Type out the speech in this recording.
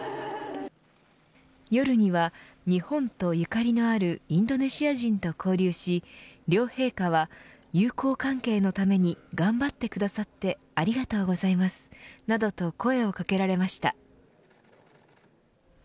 夜には日本と縁のあるインドネシア人と交流し両陛下は友好関係のために頑張ってくださってありがとうございますなどと声をかけられました。